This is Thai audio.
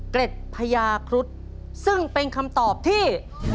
เกร็ดพญาครุฑซึ่งเป็นคำตอบที่